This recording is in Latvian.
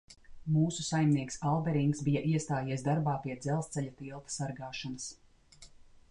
Mūsu saimnieks Alberings bija iestājies darbā pie dzelzceļa tilta sargāšanas.